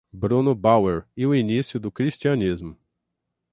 Bruno Bauer e o Início do Cristianismo